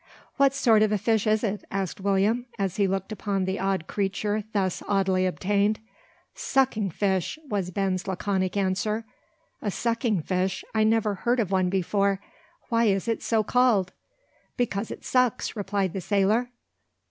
"What sort of a fish is it?" asked William, as he looked upon the odd creature thus oddly obtained. "Suckin' fish," was Ben's laconic answer. "A sucking fish! I never heard of one before. Why is it so called?" "Because it sucks," replied the sailor.